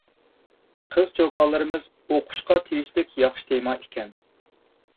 قىز-چوكانلىرىمىز ئوقۇشقا تېگىشلىك ياخشى تېما ئىكەن.